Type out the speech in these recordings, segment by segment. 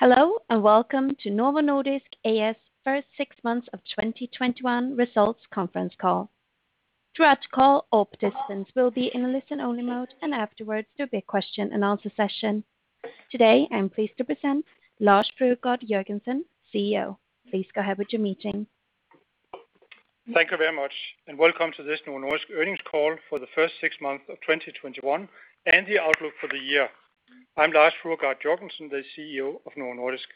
Hello, welcome to Novo Nordisk A/S first six months of 2021 results conference call. Throughout the call, all participants will be in a listen-only mode, and afterwards there will be a question-and-answer session. Today, I'm pleased to present Lars Fruergaard Jørgensen, CEO. Please go ahead with your meeting. Thank you very much, and welcome to this Novo Nordisk earnings call for the first six months of 2021 and the outlook for the year. I'm Lars Fruergaard Jørgensen, the CEO of Novo Nordisk.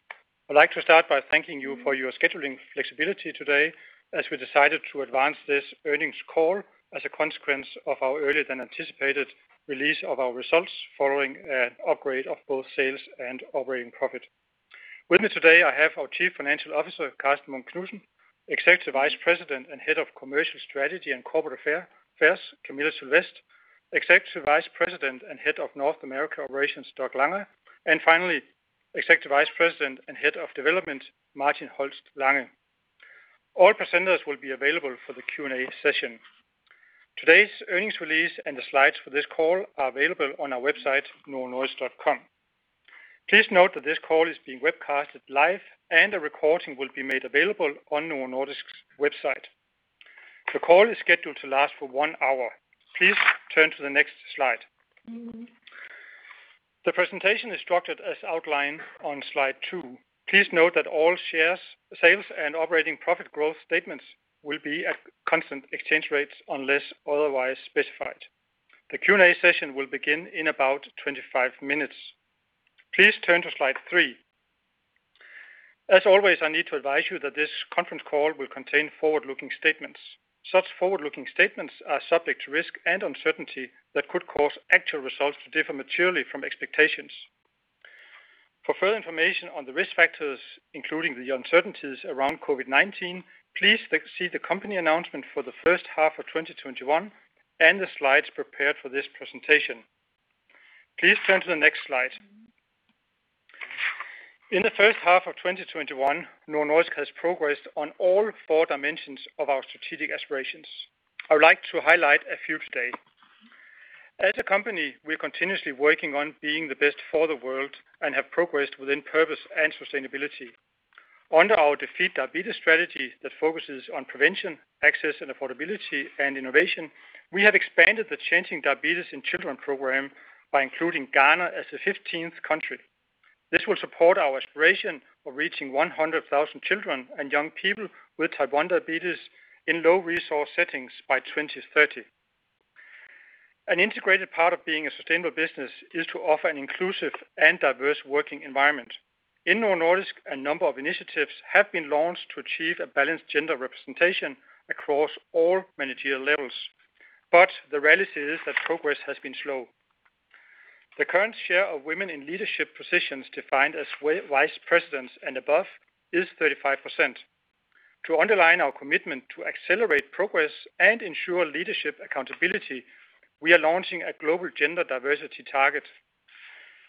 I'd like to start by thanking you for your scheduling flexibility today, as we decided to advance this earnings call as a consequence of our earlier than anticipated release of our results following an upgrade of both sales and operating profit. With me today, I have our Chief Financial Officer, Karsten Munk Knudsen, Executive Vice President and Head of Commercial Strategy and Corporate Affairs, Camilla Sylvest, Executive Vice President and Head of North America Operations, Doug Langa, and finally, Executive Vice President and Head of Development, Martin Holst Lange. All presenters will be available for the Q&A session. Today's earnings release and the slides for this call are available on our website, novonordisk.com. Please note that this call is being webcasted live, and a recording will be made available on Novo Nordisk's website. The call is scheduled to last for one hour. Please turn to the next slide. The presentation is structured as outlined on slide two. Please note that all sales and operating profit growth statements will be at constant exchange rates unless otherwise specified. The Q&A session will begin in about 25 minutes. Please turn to slide three. As always, I need to advise you that this conference call will contain forward-looking statements. Such forward-looking statements are subject to risk and uncertainty that could cause actual results to differ materially from expectations. For further information on the risk factors, including the uncertainties around COVID-19, please see the company announcement for the first half of 2021 and the slides prepared for this presentation. Please turn to the next slide. In the first half of 2021, Novo Nordisk has progressed on all four dimensions of our strategic aspirations. I would like to highlight a few today. As a company, we are continuously working on being the best for the world and have progressed within purpose and sustainability. Under our Defeat Diabetes strategy that focuses on prevention, access and affordability, and innovation, we have expanded the Changing Diabetes in Children program by including Ghana as the 15th country. This will support our aspiration of reaching 100,000 children and young people with type 1 diabetes in low-resource settings by 2030. An integrated part of being a sustainable business is to offer an inclusive and diverse working environment. In Novo Nordisk, a number of initiatives have been launched to achieve a balanced gender representation across all managerial levels. The reality is that progress has been slow. The current share of women in leadership positions defined as Vice Presidents and above is 35%. To underline our commitment to accelerate progress and ensure leadership accountability, we are launching a global gender diversity target.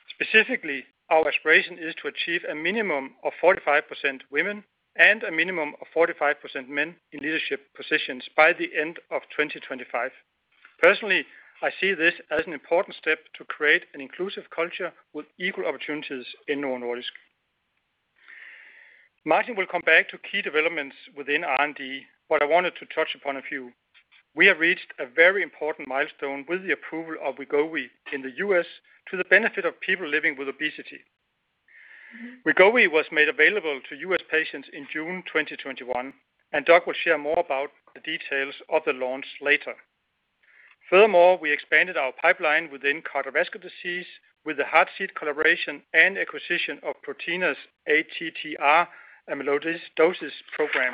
Specifically, our aspiration is to achieve a minimum of 45% women and a minimum of 45% men in leadership positions by the end of 2025. Personally, I see this as an important step to create an inclusive culture with equal opportunities in Novo Nordisk. Martin will come back to key developments within R&D. I wanted to touch upon a few. We have reached a very important milestone with the approval of Wegovy in the U.S. to the benefit of people living with obesity. Wegovy was made available to U.S. patients in June 2021. Doug will share more about the details of the launch later. We expanded our pipeline within cardiovascular disease with the Heartseed collaboration and acquisition of Prothena ATTR amyloidosis program.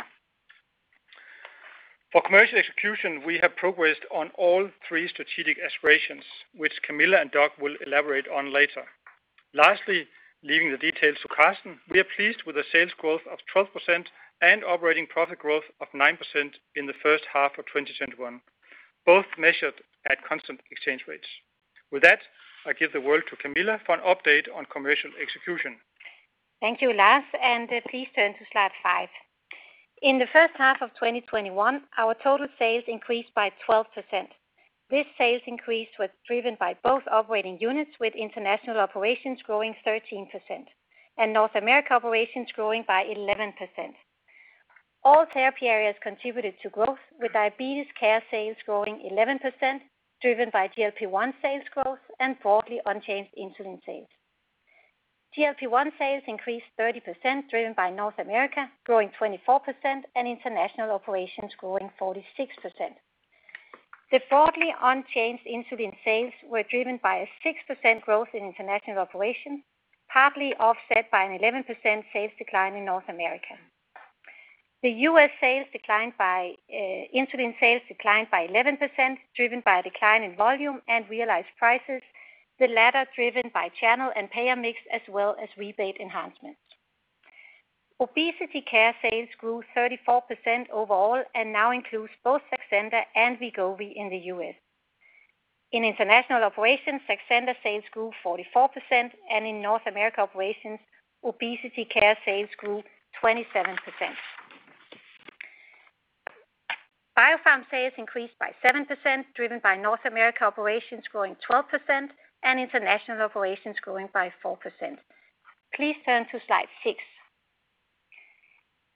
For commercial execution, we have progressed on all three strategic aspirations, which Camilla and Doug will elaborate on later. Lastly, leaving the details to Karsten, we are pleased with the sales growth of 12% and operating profit growth of 9% in the first half of 2021, both measured at constant exchange rates. With that, I give the word to Camilla for an update on commercial execution. Thank you, Lars, and please turn to slide five. In the first half of 2021, our total sales increased by 12%. This sales increase was driven by both operating units, with international operations growing 13% and North America operations growing by 11%. All therapy areas contributed to growth, with diabetes care sales growing 11%, driven by GLP-1 sales growth and broadly unchanged insulin sales. GLP-1 sales increased 30%, driven by North America growing 24% and international operations growing 46%. The broadly unchanged insulin sales were driven by a 6% growth in international operations, partly offset by an 11% sales decline in North America. The U.S. insulin sales declined by 11%, driven by a decline in volume and realized prices, the latter driven by channel and payer mix as well as rebate enhancements. Obesity care sales grew 34% overall and now includes both Saxenda and Wegovy in the U.S. In International Operations, Saxenda sales grew 44%, and in North America Operations, obesity care sales grew 27%. Pharm sales increased by 7%, driven by North America Operations growing 12% and International Operations growing by 4%. Please turn to slide six.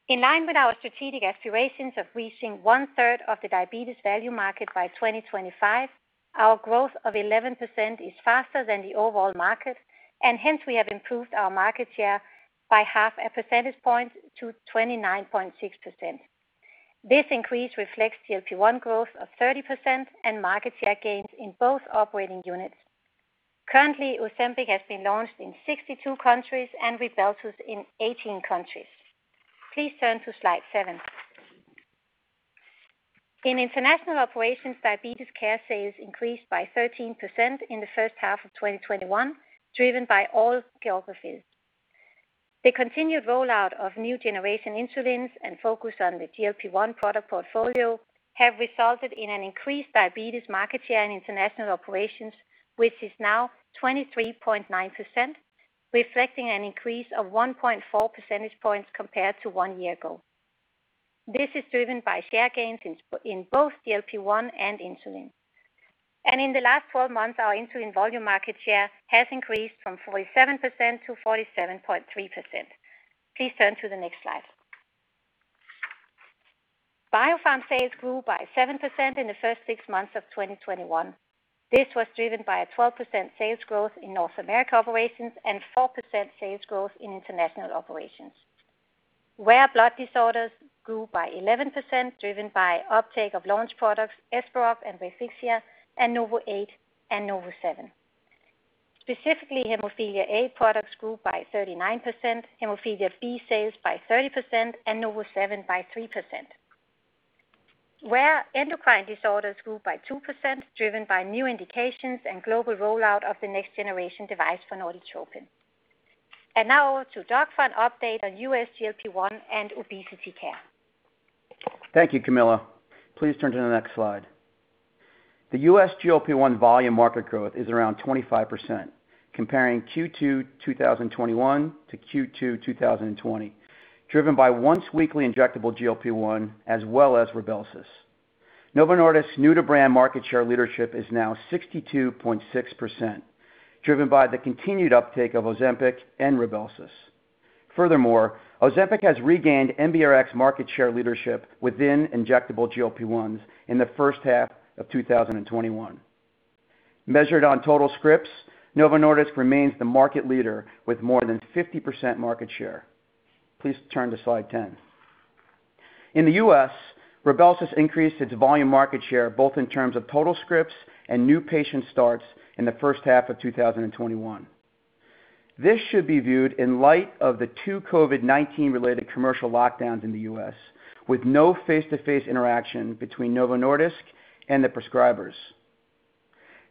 In line with our strategic aspirations of reaching 1/3 of the diabetes value market by 2025, our growth of 11% is faster than the overall market, and hence, we have improved our market share by 0.5 percentage point to 29.6%. This increase reflects GLP-1 growth of 30% and market share gains in both operating units. Currently, Ozempic has been launched in 62 countries, and Rybelsus in 18 countries. Please turn to slide seven. In International Operations, diabetes care sales increased by 13% in the first half of 2021, driven by all geographies. The continued rollout of new generation insulins and focus on the GLP-1 product portfolio have resulted in an increased diabetes market share in international operations, which is now 23.9%, reflecting an increase of 1.4 percentage points compared to one year ago. This is driven by share gains in both GLP-1 and insulin. In the last 12 months, our insulin volume market share has increased from 47%-47.3%. Please turn to the next slide. Biopharm sales grew by 7% in the first six months of 2021. This was driven by a 12% sales growth in North America operations and 4% sales growth in international operations, where blood disorders grew by 11%, driven by uptake of launch products Esperoct and Refixia and Novoeight and NovoSeven. Specifically, hemophilia A products grew by 39%, hemophilia B sales by 30%, and NovoSeven by 3%. Where endocrine disorders grew by 2%, driven by new indications and global rollout of the next generation device for Norditropin. Now to Doug for an update on U.S. GLP-1 and obesity care. Thank you, Camilla. Please turn to the next slide. The U.S. GLP-1 volume market growth is around 25%, comparing Q2 2021 to Q2 2020, driven by once-weekly injectable GLP-1, as well as Rybelsus. Novo Nordisk's new-to-brand market share leadership is now 62.6%, driven by the continued uptake of Ozempic and Rybelsus. Furthermore, Ozempic has regained NBRx market share leadership within injectable GLP-1s in the first half of 2021. Measured on total scripts, Novo Nordisk remains the market leader with more than 50% market share. Please turn to slide 10. In the U.S., Rybelsus increased its volume market share, both in terms of total scripts and new patient starts in the first half of 2021. This should be viewed in light of the two COVID-19 related commercial lockdowns in the U.S., with no face-to-face interaction between Novo Nordisk and the prescribers.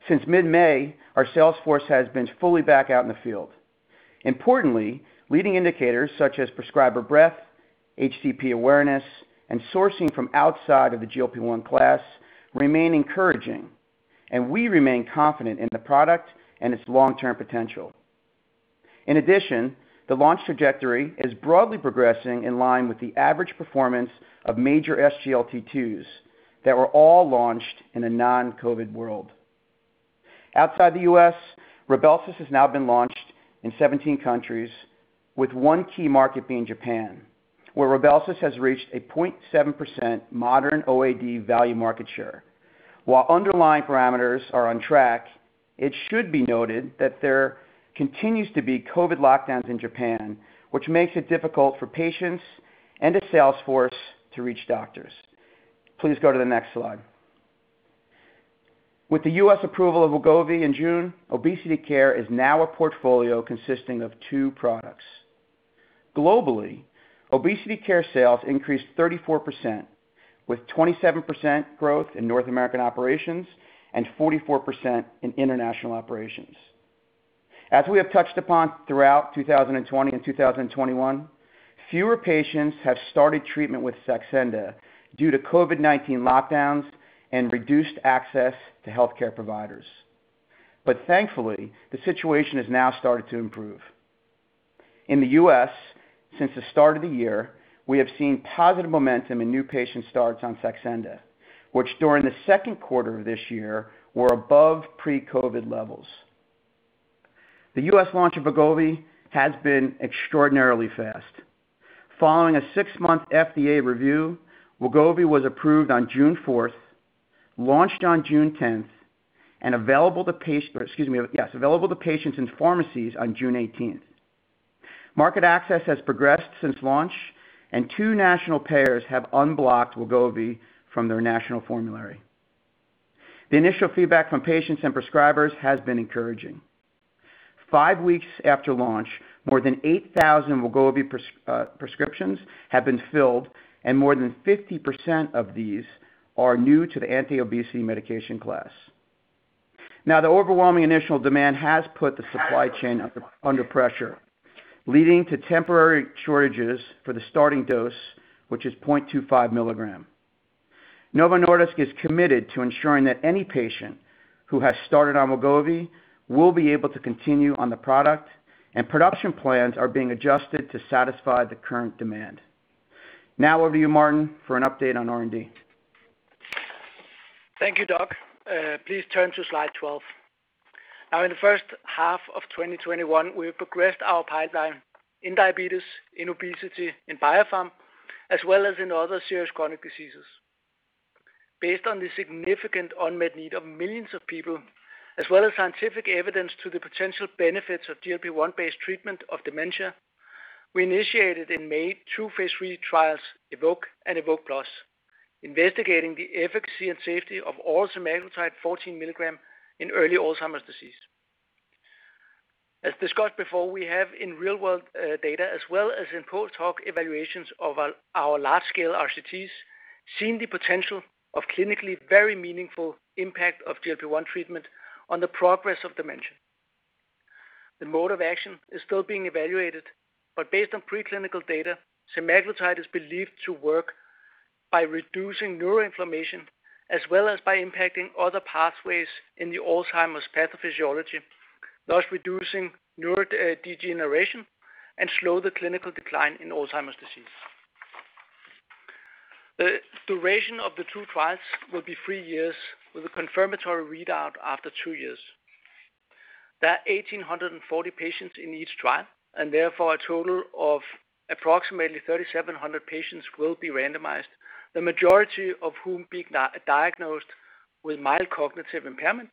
Since mid-May, our sales force has been fully back out in the field. Importantly, leading indicators such as prescriber breadth, HCP awareness, and sourcing from outside of the GLP-1 class remain encouraging, and we remain confident in the product and its long-term potential. The launch trajectory is broadly progressing in line with the average performance of major SGLT2s that were all launched in a non-COVID world. Outside the U.S., Rybelsus has now been launched in 17 countries, with one key market being Japan, where Rybelsus has reached a 0.7% modern OAD value market share. While underlying parameters are on track, it should be noted that there continues to be COVID lockdowns in Japan, which makes it difficult for patients and its sales force to reach doctors. Please go to the next slide. With the U.S. approval of Wegovy in June, obesity care is now a portfolio consisting of two products. Globally, obesity care sales increased 34%, with 27% growth in North America Operations and 44% in international operations. As we have touched upon throughout 2020 and 2021, fewer patients have started treatment with Saxenda due to COVID-19 lockdowns and reduced access to healthcare providers. Thankfully, the situation has now started to improve. In the U.S., since the start of the year, we have seen positive momentum in new patient starts on Saxenda, which during the second quarter of this year, were above pre-COVID levels. The U.S. launch of Wegovy has been extraordinarily fast. Following a six-month FDA review, Wegovy was approved on June 4th, launched on June 10th, and available to patients in pharmacies on June 18th. Market access has progressed since launch, and two national payers have unblocked Wegovy from their national formulary. The initial feedback from patients and prescribers has been encouraging. Five weeks after launch, more than 8,000 Wegovy prescriptions have been filled, and more than 50% of these are new to the anti-obesity medication class. The overwhelming initial demand has put the supply chain under pressure, leading to temporary shortages for the starting dose, which is 0.25 mg. Novo Nordisk is committed to ensuring that any patient who has started on Wegovy will be able to continue on the product, and production plans are being adjusted to satisfy the current demand. Over to you, Martin, for an update on R&D. Thank you, Doug. Please turn to slide 12. In the first half of 2021, we have progressed our pipeline in diabetes, in obesity, in biopharm, as well as in other serious chronic diseases. Based on the significant unmet need of millions of people, as well as scientific evidence to the potential benefits of GLP-1 based treatment of dementia, we initiated in May two phase III trials, EVOKE and EVOKE+, investigating the efficacy and safety of oral semaglutide 14 mg in early Alzheimer's disease. As discussed before, we have in real world data, as well as in post-hoc evaluations of our large-scale RCTs, seen the potential of clinically very meaningful impact of GLP-1 treatment on the progress of dementia. The mode of action is still being evaluated, but based on preclinical data, semaglutide is believed to work by reducing neuroinflammation as well as by impacting other pathways in the Alzheimer's pathophysiology, thus reducing neurodegeneration and slow the clinical decline in Alzheimer's disease. The duration of the two trials will be three years with a confirmatory readout after two years. There are 1,840 patients in each trial, and therefore a total of approximately 3,700 patients will be randomized, the majority of whom being diagnosed with mild cognitive impairment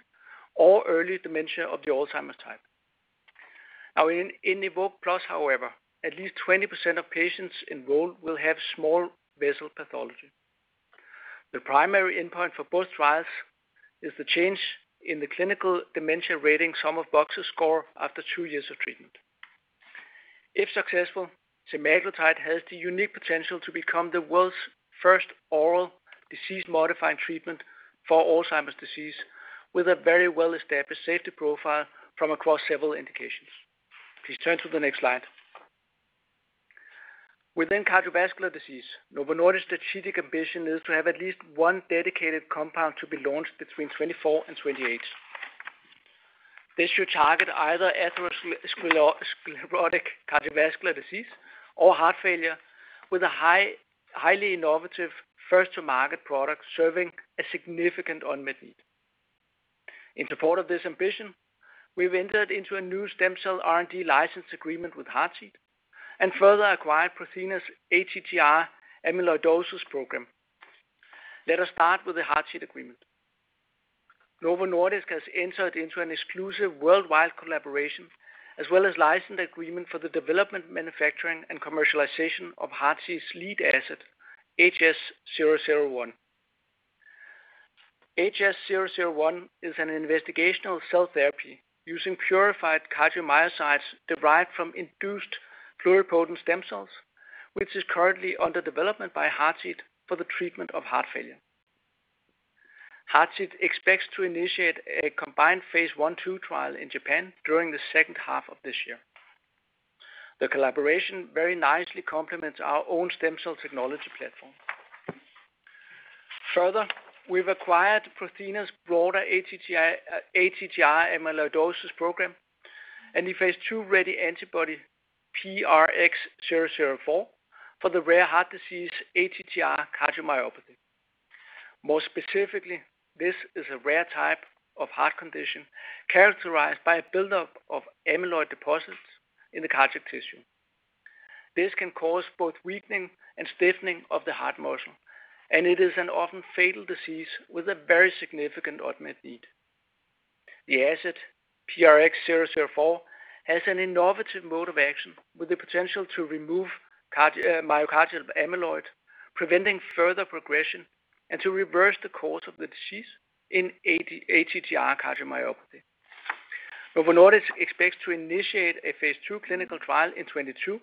or early dementia of the Alzheimer's type. Now in EVOKE+ however, at least 20% of patients enrolled will have small vessel pathology. The primary endpoint for both trials is the change in the clinical dementia rating sum of boxes score after two years of treatment. If successful, semaglutide has the unique potential to become the world's first oral disease-modifying treatment for Alzheimer's disease with a very well-established safety profile from across several indications. Please turn to the next slide. Within cardiovascular disease, Novo Nordisk's strategic ambition is to have at least one dedicated compound to be launched between 2024 and 2028. This should target either atherosclerotic cardiovascular disease or heart failure with a highly innovative first to market product serving a significant unmet need. In support of this ambition, we've entered into a new stem cell R&D license agreement with Heartseed and further acquired Prothena's ATTR amyloidosis program. Let us start with the Heartseed agreement. Novo Nordisk has entered into an exclusive worldwide collaboration as well as licensed agreement for the development, manufacturing, and commercialization of Heartseed's lead asset, HS-001. HS-001 is an investigational cell therapy using purified cardiomyocytes derived from induced pluripotent stem cells, which is currently under development by Heartseed for the treatment of heart failure. Heartseed expects to initiate a combined phase I/II trial in Japan during the second half of this year. The collaboration very nicely complements our own stem cell technology platform. Further, we've acquired Prothena's broader ATTR amyloidosis program and the phase II-ready antibody, PRX004 for the rare heart disease ATTR cardiomyopathy. More specifically, this is a rare type of heart condition characterized by a buildup of amyloid deposits in the cardiac tissue. This can cause both weakening and stiffening of the heart muscle, and it is an often fatal disease with a very significant unmet need. The asset PRX004 has an innovative mode of action with the potential to remove myocardial amyloid, preventing further progression and to reverse the course of the disease in ATTR cardiomyopathy. Novo Nordisk expects to initiate a phase II clinical trial in 2022,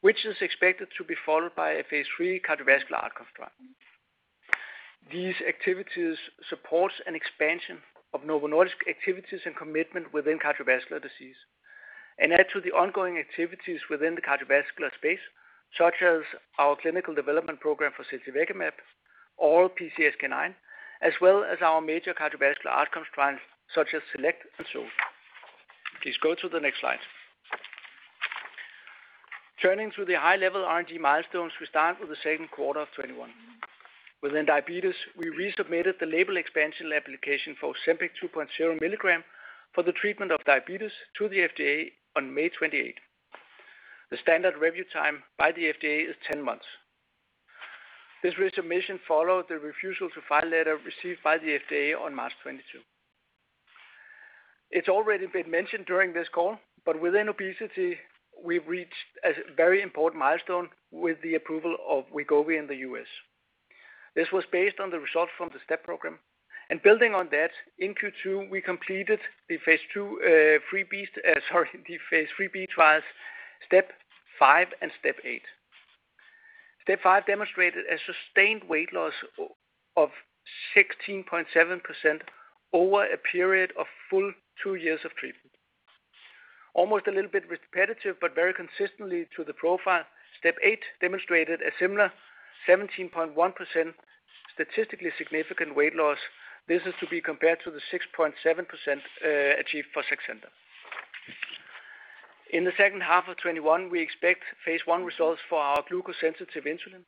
which is expected to be followed by a phase III cardiovascular outcomes trial. These activities supports an expansion of Novo Nordisk's activities and commitment within cardiovascular disease and add to the ongoing activities within the cardiovascular space, such as our clinical development program for ziltivekimab or PCSK9, as well as our major cardiovascular outcomes trials such as SELECT and SOUL. Please go to the next slide. Turning to the high-level R&D milestones, we start with the second quarter of 2021. Within diabetes, we resubmitted the label expansion application for Ozempic 2.0 mg for the treatment of diabetes to the FDA on May 28th. The standard review time by the FDA is 10 months. This resubmission followed the refusal to file letter received by the FDA on March 22nd. It's already been mentioned during this call, but within obesity, we've reached a very important milestone with the approval of Wegovy in the U.S. This was based on the results from the STEP program. Building on that, in Q2, we completed the phase III-B trials, STEP 5 and STEP 8. STEP 5 demonstrated a sustained weight loss of 16.7% over a period of full two years of treatment. Almost a little bit repetitive, but very consistently to the profile, STEP 8 demonstrated a similar 17.1% statistically significant weight loss. This is to be compared to the 6.7% achieved for Saxenda. In the second half of 2021, we expect phase I results for our glucose-sensitive insulin,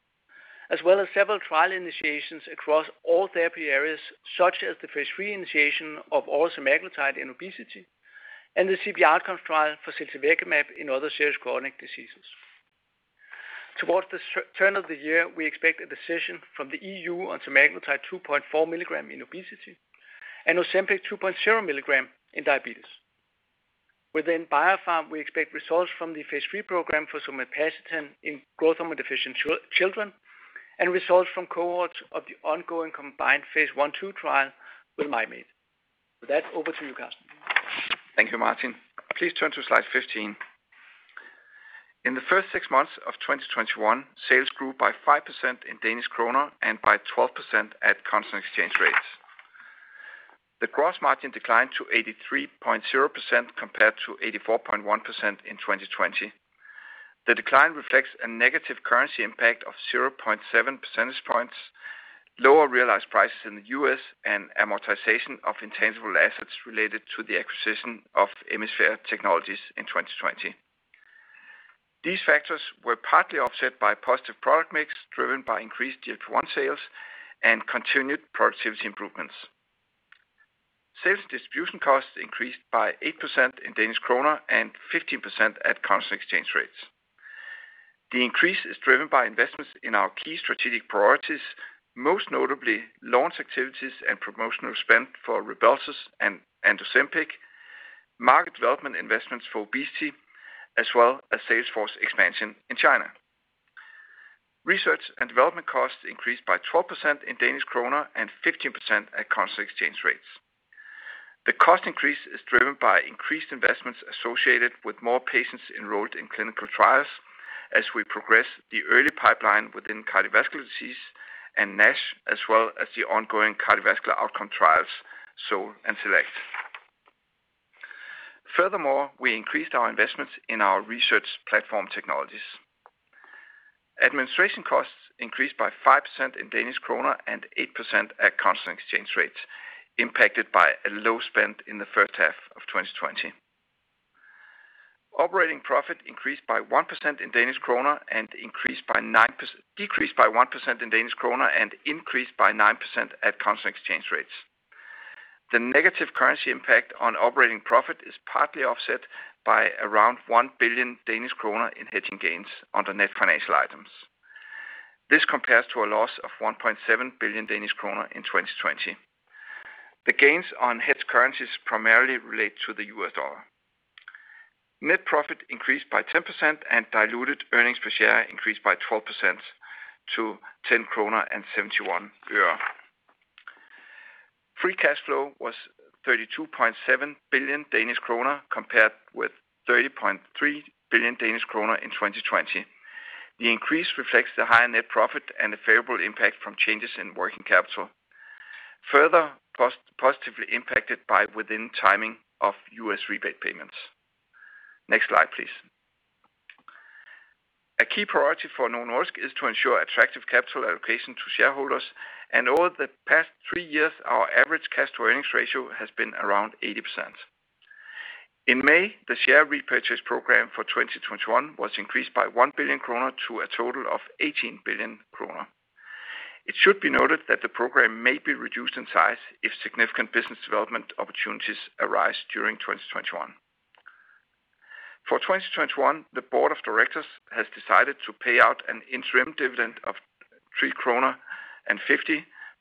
as well as several trial initiations across all therapy areas, such as the phase III initiation of oral semaglutide in obesity and the CV outcomes trial for ziltivekimab in other serious chronic diseases. Towards the turn of the year, we expect a decision from the EU on semaglutide 2.4 mg in obesity and Ozempic 2.0 mg in diabetes. Within Biopharm, we expect results from the phase III program for somapacitan in growth hormone deficient children, and results from cohorts of the ongoing combined phase I/II trial with Mim8. With that, over to you, Karsten. Thank you, Martin. Please turn to slide 15. In the first six months of 2021, sales grew by 5% in Danish kroner and by 12% at constant exchange rates. The gross margin declined to 83.0% compared to 84.1% in 2020. The decline reflects a negative currency impact of 0.7 percentage points, lower realized prices in the U.S., and amortization of intangible assets related to the acquisition of Emisphere Technologies in 2020. These factors were partly offset by positive product mix driven by increased GLP-1 sales and continued productivity improvements. Sales distribution costs increased by 8% in Danish kroner and 15% at constant exchange rates. The increase is driven by investments in our key strategic priorities, most notably launch activities and promotional spend for Rybelsus and Ozempic, market development investments for obesity, as well as sales force expansion in China. Research and development costs increased by 12% in Danish kroner and 15% at constant exchange rates. The cost increase is driven by increased investments associated with more patients enrolled in clinical trials as we progress the early pipeline within cardiovascular disease and NASH, as well as the ongoing cardiovascular outcome trials, SOUL and SELECT. Furthermore, we increased our investments in our research platform technologies. Administration costs increased by 5% in Danish kroner and 8% at constant exchange rates impacted by a low spend in the first half of 2020. Operating profit decreased by 1% in Danish kroner and increased by 9% at constant exchange rates. The negative currency impact on operating profit is partly offset by around 1 billion Danish kroner in hedging gains under net financial items. This compares to a loss of 1.7 billion Danish krone in 2020. The gains on hedged currencies primarily relate to the U.S. dollar. Net profit increased by 10% and diluted earnings per share increased by 12% to 10.71 krone. Free cash flow was 32.7 billion Danish kroner, compared with 30.3 billion Danish kroner in 2020. The increase reflects the higher net profit and the favorable impact from changes in working capital, further positively impacted by within timing of U.S. rebate payments. Next slide, please. A key priority for Novo Nordisk is to ensure attractive capital allocation to shareholders. Over the past three years, our average cash to earnings ratio has been around 80%. In May, the share repurchase program for 2021 was increased by 1 billion kroner to a total of 18 billion kroner. It should be noted that the program may be reduced in size if significant business development opportunities arise during 2021. For 2021, the Board of Directors has decided to pay out an interim dividend of 3.50 kroner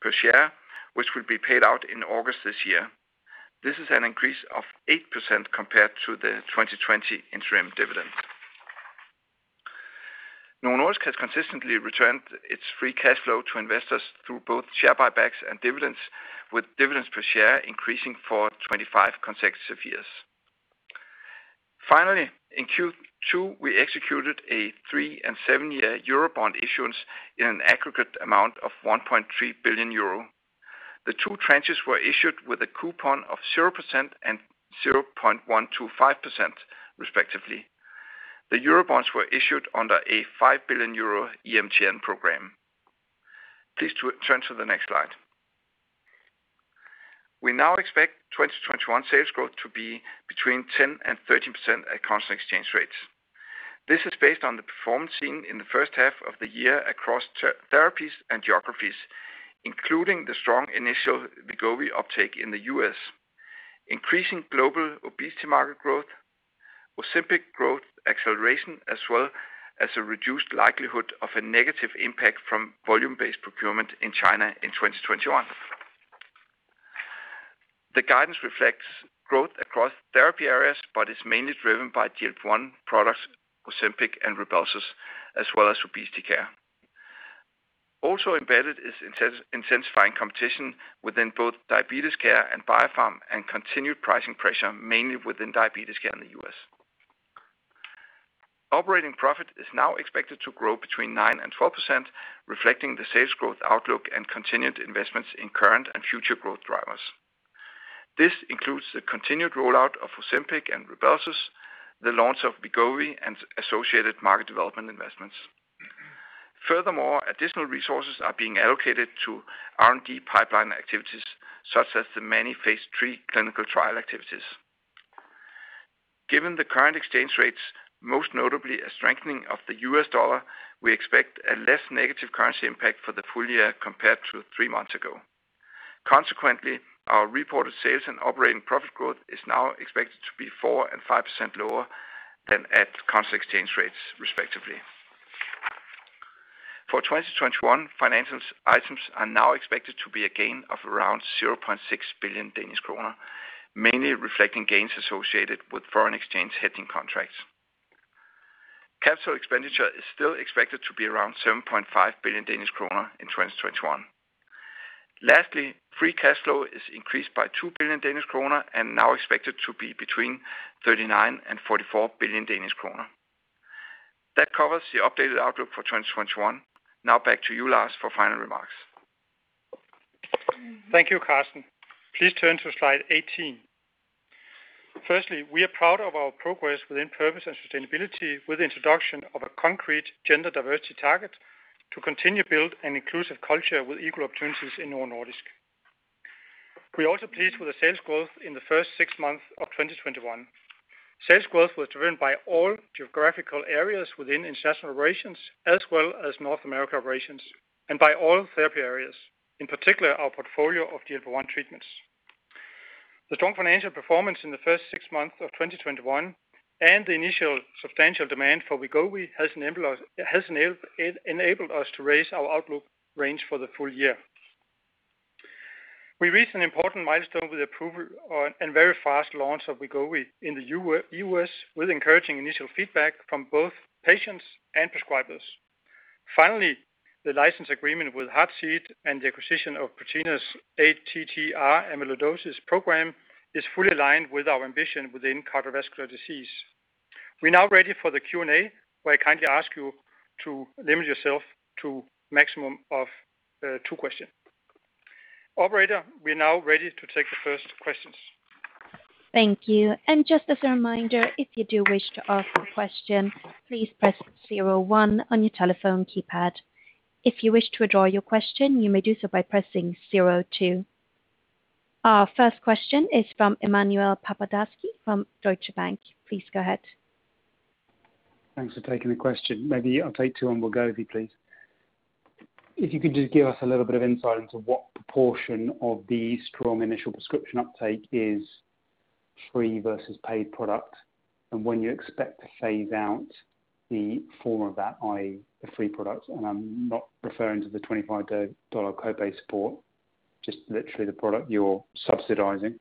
per share, which will be paid out in August this year. This is an increase of 8% compared to the 2020 interim dividend. Novo Nordisk has consistently returned its free cash flow to investors through both share buybacks and dividends, with dividends per share increasing for 25 consecutive years. Finally, in Q2, we executed a three and seven-year eurobond issuance in an aggregate amount of 1.3 billion euro. The two tranches were issued with a coupon of 0% and 0.125%, respectively. The eurobonds were issued under a 5 billion euro EMTN program. Please turn to the next slide. We now expect 2021 sales growth to be between 10%-13% at constant exchange rates. This is based on the performance seen in the first half of the year across therapies and geographies, including the strong initial Wegovy uptake in the U.S., increasing global obesity market growth, Ozempic growth acceleration, as well as a reduced likelihood of a negative impact from volume-based procurement in China in 2021. The guidance reflects growth across therapy areas, but is mainly driven by GLP-1 products Ozempic and Rybelsus, as well as obesity care. Also embedded is intensifying competition within both diabetes care and biopharm and continued pricing pressure mainly within diabetes care in the U.S. Operating profit is now expected to grow between 9% and 12%, reflecting the sales growth outlook and continued investments in current and future growth drivers. This includes the continued rollout of Ozempic and Rybelsus, the launch of Wegovy, and associated market development investments. Furthermore, additional resources are being allocated to R&D pipeline activities, such as the many phase III clinical trial activities. Given the current exchange rates, most notably a strengthening of the U.S. dollar, we expect a less negative currency impact for the full-year compared to three months ago. Consequently, our reported sales and operating profit growth is now expected to be 4% and 5% lower than at constant exchange rates, respectively. For 2021, financials items are now expected to be a gain of around 0.6 billion Danish kroner, mainly reflecting gains associated with foreign exchange hedging contracts. Capital expenditure is still expected to be around 7.5 billion Danish kroner in 2021. Lastly, free cash flow is increased by 2 billion Danish kroner and now expected to be between 39 billion and 44 billion Danish kroner. That covers the updated outlook for 2021. Now back to you, Lars, for final remarks. Thank you, Karsten. Please turn to slide 18. Firstly, we are proud of our progress within purpose and sustainability with the introduction of a concrete gender diversity target to continue to build an inclusive culture with equal opportunities in Novo Nordisk. We are also pleased with the sales growth in the first six months of 2021. Sales growth was driven by all geographical areas within International Operations as well as North America Operations, and by all therapy areas, in particular, our portfolio of GLP-1 treatments. The strong financial performance in the first six months of 2021 and the initial substantial demand for Wegovy has enabled us to raise our outlook range for the full-year. We reached an important milestone with the approval and very fast launch of Wegovy in the U.S. with encouraging initial feedback from both patients and prescribers. Finally, the license agreement with Heartseed and the acquisition of Prothena ATTR amyloidosis program is fully aligned with our ambition within cardiovascular disease. We're now ready for the Q&A, where I kindly ask you to limit yourself to maximum of two questions. Operator, we're now ready to take the first questions. Thank you. Just as a reminder, if you do wish to ask a question, please press zero one on your telephone keypad. If you wish to withdraw your question, you may do so by pressing zero two. Our first question is from Emmanuel Papadakis from Deutsche Bank. Please go ahead. Thanks for taking the question. Maybe I'll take two on Wegovy, please. If you could just give us a little bit of insight into what proportion of the strong initial prescription uptake is free versus paid product, and when you expect to phase out the former of that, i.e., the free product, and I'm not referring to the $25 copay support, just literally the product you're subsidizing.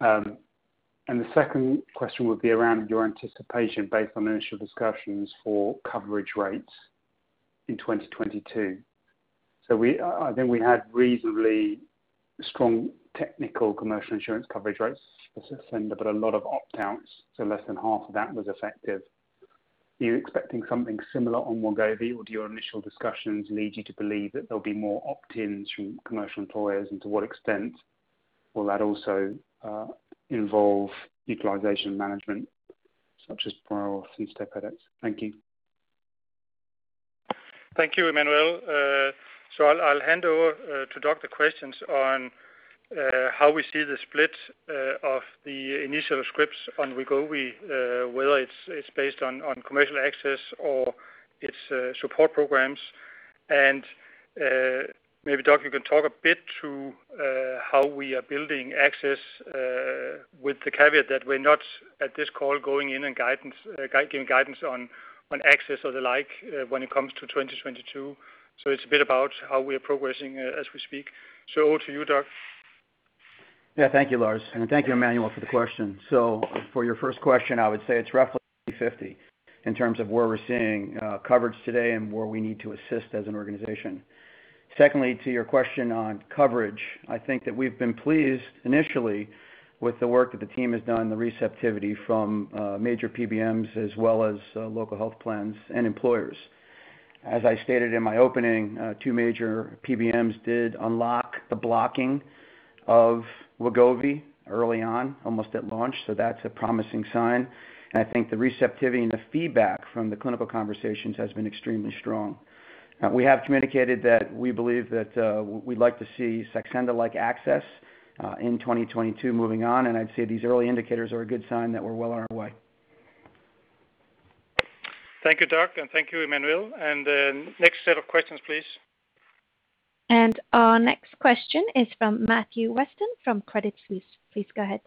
The second question would be around your anticipation based on initial discussions for coverage rates in 2022. I think we had reasonably strong technical commercial insurance coverage rates for Saxenda, but a lot of opt-outs, so less than half of that was effective. Are you expecting something similar on Wegovy, or do your initial discussions lead you to believe that there'll be more opt-ins from commercial employers? To what extent will that also involve utilization management, such as prior auth and step edits? Thank you. Thank you, Emmanuel. I'll hand over to Doug the questions on how we see the split of the initial scripts on Wegovy, whether it's based on commercial access or its support programs. Maybe, Doug, you can talk a bit to how we are building access with the caveat that we're not, at this call, going in and giving guidance on access or the like when it comes to 2022. It's a bit about how we are progressing as we speak. Over to you, Doug. Thank you, Lars, and thank you, Emmanuel, for the question. For your first question, I would say it's roughly 50/50 in terms of where we're seeing coverage today and where we need to assist as an organization. Secondly, to your question on coverage, I think that we've been pleased initially with the work that the team has done, the receptivity from major PBMs as well as local health plans and employers. As I stated in my opening, two major PBMs did unlock the blocking of Wegovy early on, almost at launch, that's a promising sign. I think the receptivity and the feedback from the clinical conversations has been extremely strong. We have communicated that we believe that we'd like to see Saxenda-like access in 2022 moving on, I'd say these early indicators are a good sign that we're well on our way. Thank you, Doug, and thank you, Emmanuel. Next set of questions, please. Our next question is from Matthew Weston from Credit Suisse. Please go ahead.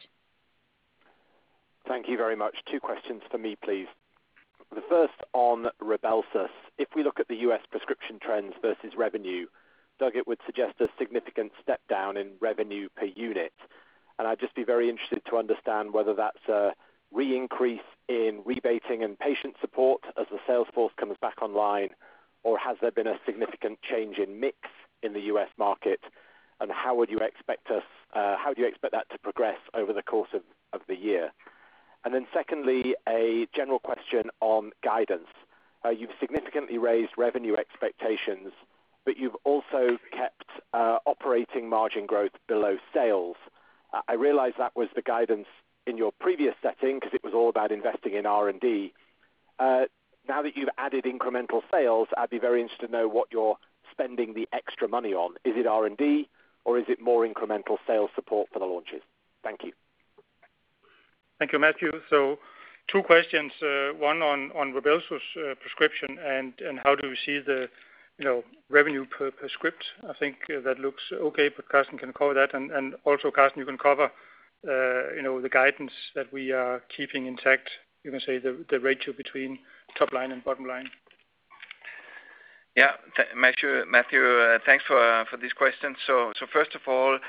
Thank you very much. Two questions for me, please. The first on Rybelsus. If we look at the U.S. prescription trends versus revenue, Doug, it would suggest a significant step down in revenue per unit. I'd just be very interested to understand whether that's a re-increase in rebating and patient support as the sales force comes back online, or has there been a significant change in mix in the U.S. market, and how do you expect that to progress over the course of the year? Secondly, a general question on guidance. You've significantly raised revenue expectations, but you've also kept operating margin growth below sales. I realize that was the guidance in your previous setting because it was all about investing in R&D. Now that you've added incremental sales, I'd be very interested to know what you're spending the extra money on. Is it R&D or is it more incremental sales support for the launches? Thank you. Thank you, Matthew. Two questions, one on Rybelsus prescription and how do we see the revenue per script. I think that looks okay. Karsten can cover that. Karsten, you can cover the guidance that we are keeping intact, you can say the ratio between top line and bottom line. Matthew, thanks for this question. First of all,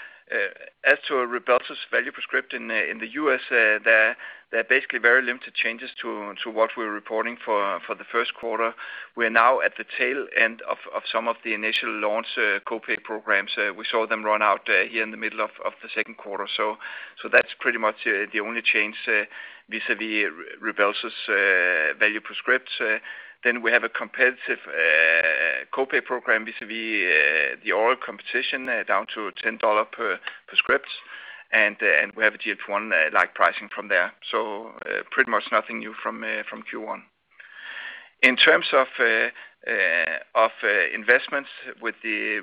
as to Rybelsus value per script in the U.S., there are basically very limited changes to what we're reporting for the first quarter. We are now at the tail end of some of the initial launch copay programs. We saw them run out here in the middle of the second quarter. That's pretty much the only change vis-à-vis Rybelsus value per script. We have a competitive copay program vis-à-vis the oral competition down to DKK 10 per script. We have a GLP-1 like pricing from there. Pretty much nothing new from Q1. In terms of investments with the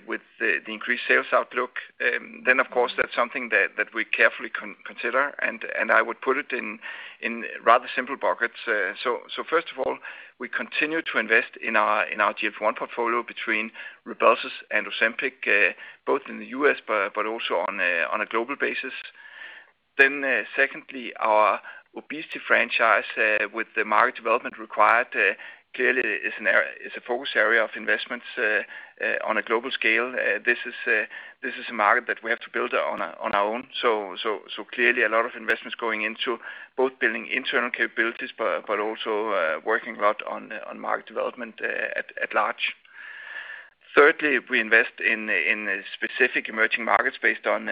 increased sales outlook, of course that's something that we carefully consider, and I would put it in rather simple buckets. First of all, we continue to invest in our GLP-1 portfolio between Rybelsus and Ozempic, both in the U.S. but also on a global basis. Secondly, our obesity franchise with the market development required clearly is a focus area of investments on a global scale. This is a market that we have to build on our own. Clearly a lot of investments going into both building internal capabilities, but also working a lot on market development at large. Thirdly, we invest in specific emerging markets based on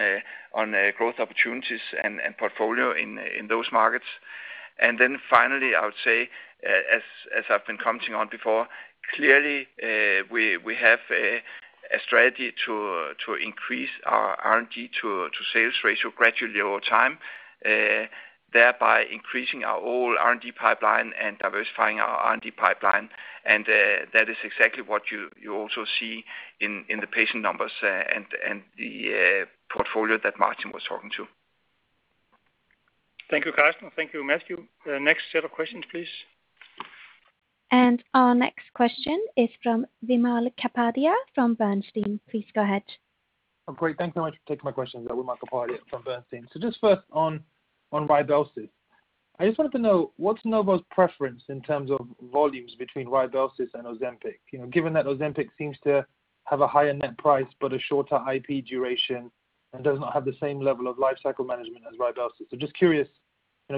growth opportunities and portfolio in those markets. Finally, I would say, as I've been commenting on before, clearly we have a strategy to increase our R&D to sales ratio gradually over time, thereby increasing our whole R&D pipeline and diversifying our R&D pipeline. That is exactly what you also see in the patient numbers and the portfolio that Martin was talking to. Thank you, Karsten. Thank you, Matthew. Next set of questions, please. Our next question is from Wimal Kapadia from Bernstein. Please go ahead. Great, thanks so much for taking my questions. Wimal Kapadia from Bernstein. Just first on Rybelsus. I just wanted to know what's Novo's preference in terms of volumes between Rybelsus and Ozempic? Given that Ozempic seems to have a higher net price but a shorter IP duration and does not have the same level of life cycle management as Rybelsus. Just curious,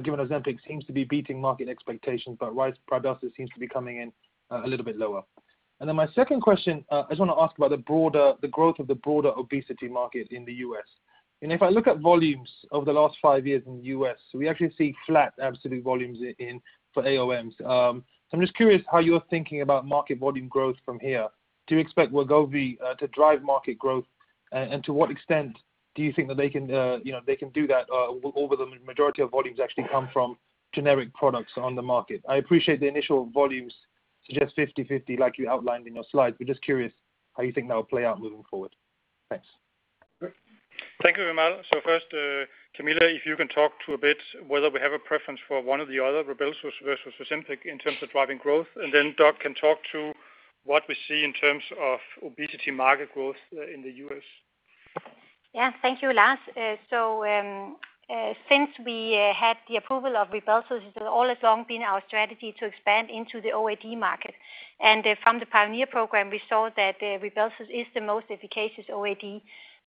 given Ozempic seems to be beating market expectations, but Rybelsus seems to be coming in a little bit lower. My second question, I just want to ask about the growth of the broader obesity market in the U.S. If I look at volumes over the last five years in the U.S., we actually see flat absolute volumes for AOMs. I'm just curious how you're thinking about market volume growth from here. Do you expect Wegovy to drive market growth? To what extent do you think that they can do that over the majority of volumes actually come from generic products on the market? I appreciate the initial volumes suggest 50/50 like you outlined in your slides. We're just curious how you think that will play out moving forward. Thanks. Thank you, Wimal. First, Camilla, if you can talk to a bit whether we have a preference for one or the other, Rybelsus versus Ozempic in terms of driving growth, and then Doug can talk to what we see in terms of obesity market growth in the U.S. Thank you, Lars. Since we had the approval of Rybelsus, it's all along been our strategy to expand into the OAD market. From the PIONEER program, we saw that Rybelsus is the most efficacious OAD.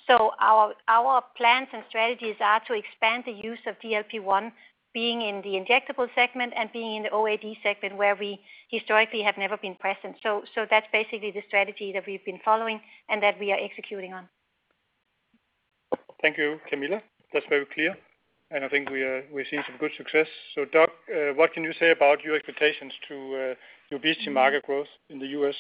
Our plans and strategies are to expand the use of GLP-1 being in the injectable segment and being in the OAD segment where we historically have never been present. That's basically the strategy that we've been following and that we are executing on. Thank you, Camilla. That's very clear, and I think we're seeing some good success. Doug, what can you say about your expectations to obesity market growth in the U.S.?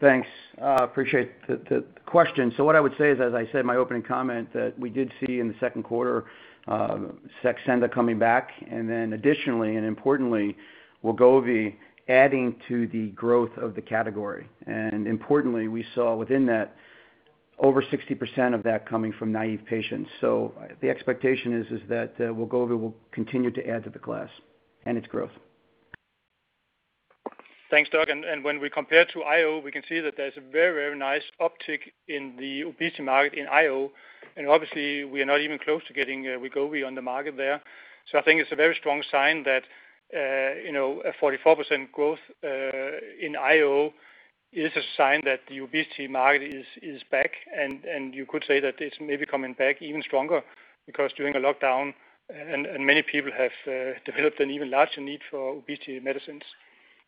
Thanks. Appreciate the question. What I would say is, as I said in my opening comment, that we did see in the second quarter, Saxenda coming back, and then additionally and importantly, Wegovy adding to the growth of the category. Importantly, we saw within that, over 60% of that coming from naive patients. The expectation is that Wegovy will continue to add to the class and its growth. Thanks, Doug. When we compare to IO, we can see that there's a very, very nice uptick in the obesity market in IO. Obviously we are not even close to getting Wegovy on the market there. I think it's a very strong sign that a 44% growth in IO is a sign that the obesity market is back, and you could say that it's maybe coming back even stronger because during a lockdown, and many people have developed an even larger need for obesity medicines.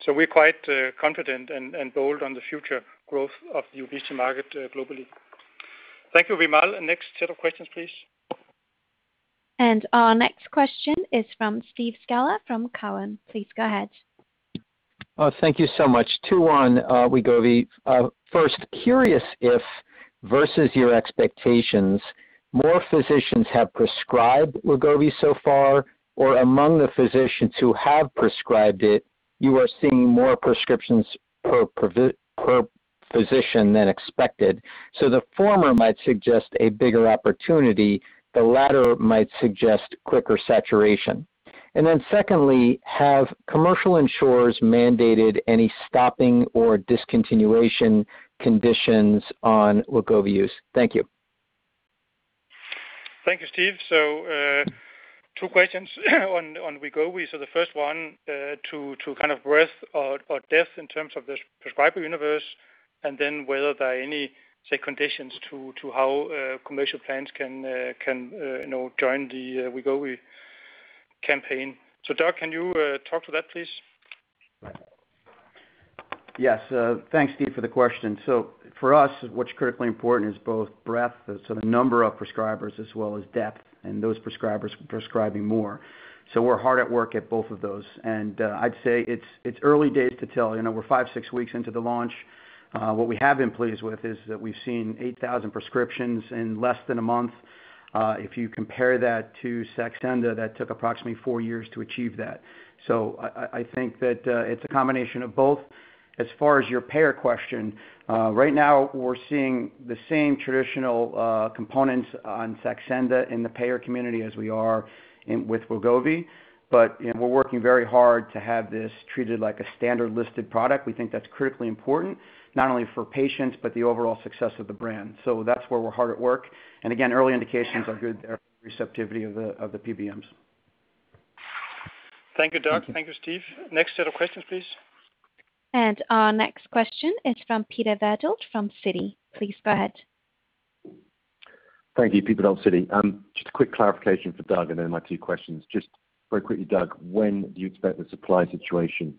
We're quite confident and bold on the future growth of the obesity market globally. Thank you, Wimal. Next set of questions, please. Our next question is from Steve Scala from Cowen. Please go ahead. Thank you so much. Two on Wegovy. First, curious if, versus your expectations, more physicians have prescribed Wegovy so far, or among the physicians who have prescribed it, you are seeing more prescriptions per physician than expected. The former might suggest a bigger opportunity, the latter might suggest quicker saturation. Secondly, have commercial insurers mandated any stopping or discontinuation conditions on Wegovy use? Thank you. Thank you, Steve. Two questions on Wegovy. The first one, to kind of breadth or depth in terms of the prescriber universe, and then whether there are any, say conditions to how commercial plans can join the Wegovy campaign. Doug, can you talk to that, please? Yes. Thanks, Steve, for the question. For us, what's critically important is both breadth, so the number of prescribers as well as depth, and those prescribers prescribing more. We're hard at work at both of those. I'd say it's early days to tell. We're five, six weeks into the launch. What we have been pleased with is that we've seen 8,000 prescriptions in less than a month. If you compare that to Saxenda, that took approximately four years to achieve that. I think that it's a combination of both. As far as your payer question, right now we're seeing the same traditional components on Saxenda in the payer community as we are with Wegovy. We're working very hard to have this treated like a standard listed product. We think that's critically important not only for patients but the overall success of the brand. That's where we're hard at work. Again, early indications are good, our receptivity of the PBMs. Thank you, Doug. Thank you, Steve. Next set of questions, please. Our next question is from Peter Verdult from Citi. Please go ahead. Thank you. Pete Verdult, Citi. A quick clarification for Doug, and then my two questions. Very quickly, Doug, when do you expect the supply situation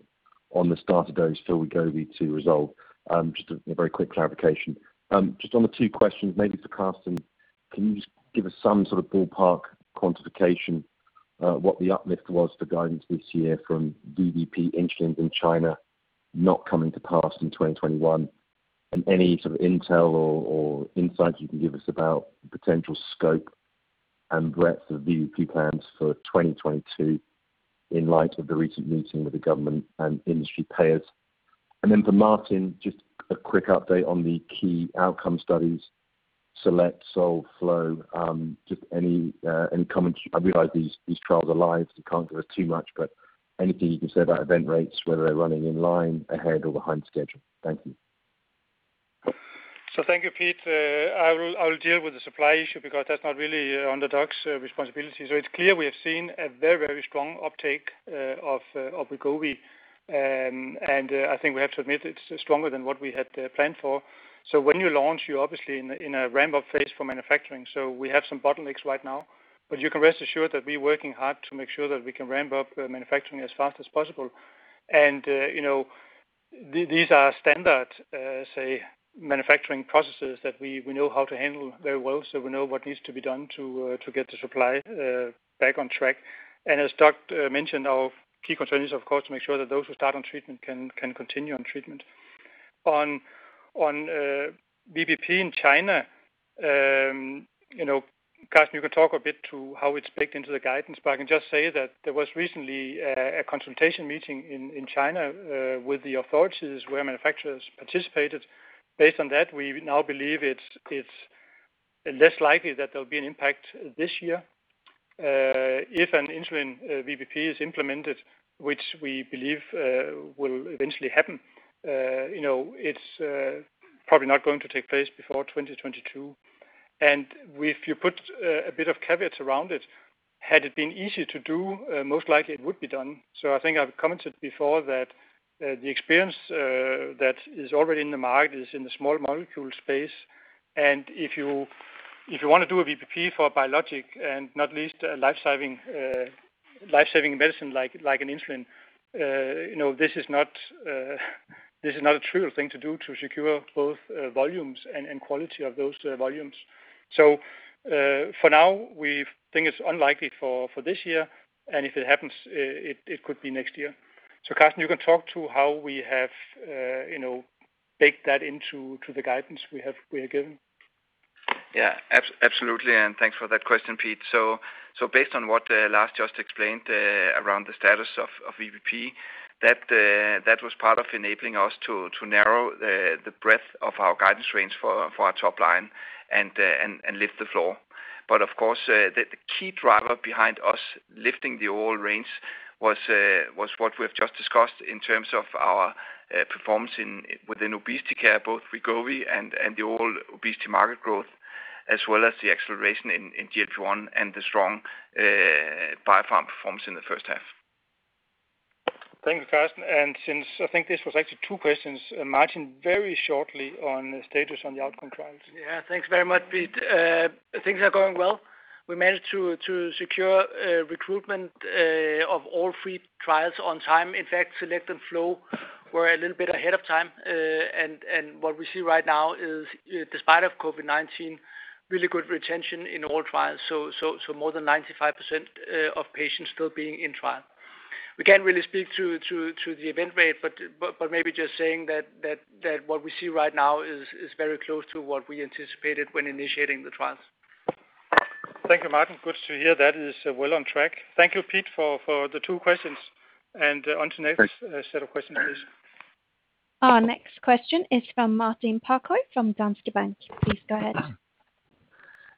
on the starter dose for Wegovy to resolve? A very quick clarification. On the two questions, maybe for Karsten, can you give us some sort of ballpark quantification, what the uplift was for guidance this year from VBP insulins in China not coming to pass in 2021? Any sort of intel or insight you can give us about the potential scope and breadth of VBP plans for 2022 in light of the recent meeting with the government and industry payers? For Martin, a quick update on the key outcome studies, SELECT, SOUL, FLOW, any comments. I realize these trials are live, so you can't give us too much, but anything you can say about event rates, whether they're running in line, ahead, or behind schedule. Thank you. Thank you, Pete. I will deal with the supply issue because that's not really under Doug's responsibility. It's clear we have seen a very, very strong uptake of Wegovy, and I think we have to admit it's stronger than what we had planned for. When you launch, you're obviously in a ramp-up phase for manufacturing. We have some bottlenecks right now, but you can rest assured that we're working hard to make sure that we can ramp up manufacturing as fast as possible. These are standard, say, manufacturing processes that we know how to handle very well. We know what needs to be done to get the supply back on track. As Doug mentioned, our key concern is, of course, to make sure that those who start on treatment can continue on treatment. On VBP in China, Karsten, you can talk a bit to how it's baked into the guidance, but I can just say that there was recently a consultation meeting in China with the authorities where manufacturers participated. Based on that, we now believe it's less likely that there will be an impact this year. If an insulin VBP is implemented, which we believe will eventually happen, it is probably not going to take place before 2022. If you put a bit of caveat around it, had it been easier to do, most likely it would be done. I think I've commented before that the experience that is already in the market is in the small molecule space, and if you want to do a VBP for a biologic and not least a life-saving medicine like an insulin, this is not a trivial thing to do to secure both volumes and quality of those volumes. For now, we think it's unlikely for this year, and if it happens, it could be next year. Karsten, you can talk to how we have baked that into the guidance we have given. Yeah, absolutely, thanks for that question, Pete. Based on what Lars just explained around the status of VBP, that was part of enabling us to narrow the breadth of our guidance range for our top line and lift the floor. Of course, the key driver behind us lifting the overall range was what we have just discussed in terms of our performance within obesity care, both Wegovy and the overall obesity market growth, as well as the acceleration in GLP-1 and the strong biopharm performance in the first half. Thanks, Karsten. Since I think this was actually two questions, Martin, very shortly on the status on the outcome trials. Yeah. Thanks very much, Pete. Things are going well. We managed to secure recruitment of all three trials on time. In fact, SELECT and FLOW were a little bit ahead of time. What we see right now is, despite of COVID-19, really good retention in all trials. More than 95% of patients still being in trial. We can't really speak to the event rate, but maybe just saying that what we see right now is very close to what we anticipated when initiating the trials. Thank you, Martin. Good to hear that is well on track. Thank you, Pete, for the two questions. On to next set of questions, please. Our next question is from Martin Parkhøi from Danske Bank. Please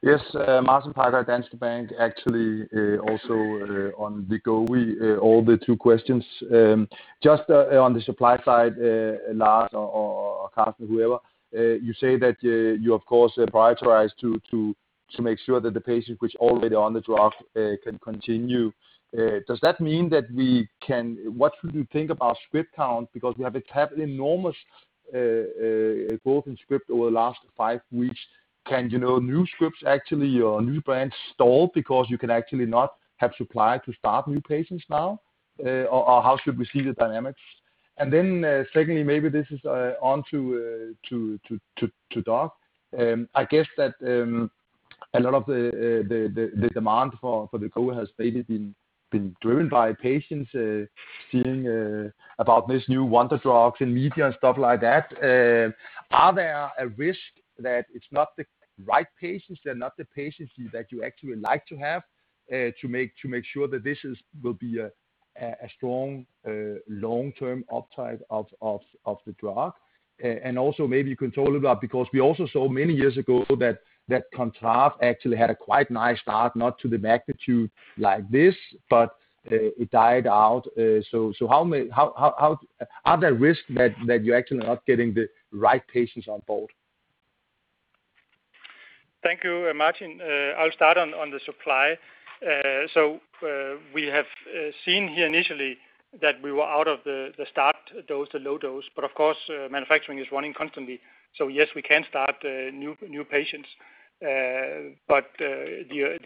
go ahead. Yes, Martin Parkhøi, Danske Bank. Actually, also on Wegovy, all the two questions. Just on the supply side, Lars or Karsten, whoever, you say that you, of course, prioritize to make sure that the patients which already are on the drug can continue. What should we think about script count? We have had enormous growth in script over the last five weeks. Can new scripts, actually, or new patients stall because you can actually not have supply to start new patients now? Or how should we see the dynamics? Secondly, maybe this is on to Doug. I guess that a lot of the demand for Wegovy has maybe been driven by patients seeing about this new wonder drug in media and stuff like that. Are there a risk that it's not the right patients? They're not the patients that you actually would like to have, to make sure that this will be a strong, long-term uptake of the drug? Also, maybe you can talk a little about, because we also saw many years ago that Contrave actually had a quite nice start, not to the magnitude like this, but it died out. Are there risks that you're actually not getting the right patients on board? Thank you, Martin. I'll start on the supply. We have seen here initially that we were out of the start dose, the low dose. Of course, manufacturing is running constantly. Yes, we can start new patients. The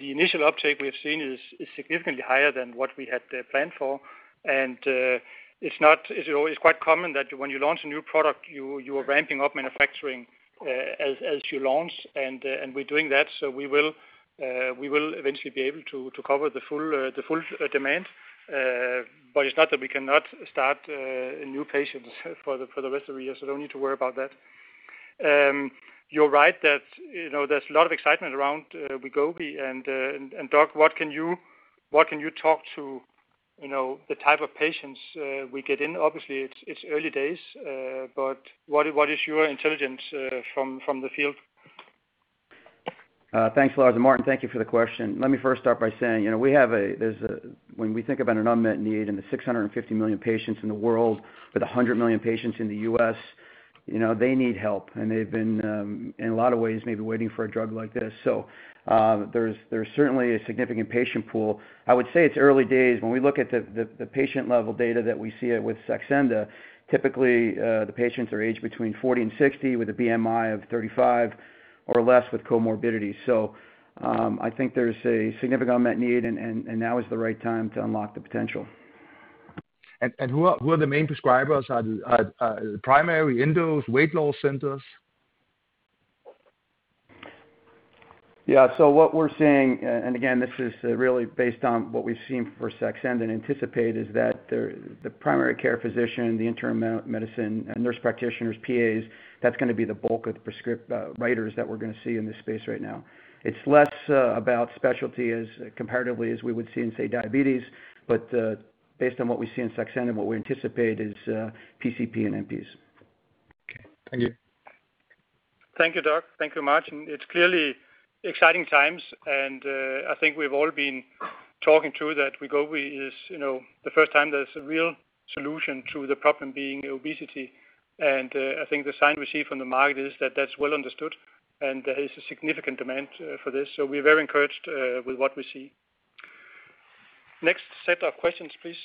initial uptake we have seen is significantly higher than what we had planned for, and it's quite common that when you launch a new product, you are ramping up manufacturing as you launch, and we're doing that. We will eventually be able to cover the full demand. It's not that we cannot start new patients for the rest of the year. Don't need to worry about that. You're right that there's a lot of excitement around Wegovy. Doug, what can you talk to the type of patients we get in? Obviously, it's early days. What is your intelligence from the field? Thanks, Lars, and Martin, thank you for the question. Let me first start by saying, when we think about an unmet need in the 650 million patients in the world, with 100 million patients in the U.S., they need help, and they've been, in a lot of ways, maybe waiting for a drug like this. There's certainly a significant patient pool. I would say it's early days. When we look at the patient-level data that we see with Saxenda, typically, the patients are aged between 40 and 60 with a BMI of 35 or less with comorbidities. I think there's a significant unmet need, and now is the right time to unlock the potential. Who are the main prescribers? Are they primary, endos, weight loss centers? What we're seeing, and again, this is really based on what we've seen for Saxenda and anticipate, is that the primary care physician, the internal medicine, nurse practitioners, PAs, that's going to be the bulk of the prescript writers that we're going to see in this space right now. It's less about specialty as comparatively as we would see in, say, diabetes. Based on what we see in Saxenda, what we anticipate is PCP and MPs. Okay, thank you. Thank you, Doug. Thank you, Martin. It's clearly exciting times. I think we've all been talking too that Wegovy is the first time there's a real solution to the problem being obesity. I think the sign we see from the market is that that's well understood, and there is a significant demand for this. We are very encouraged with what we see. Next set of questions, please.